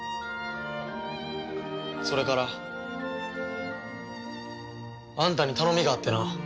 それからあんたに頼みがあってな。